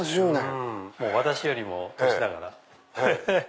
私よりも年だから。